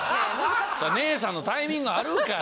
姉さんのタイミングあるから。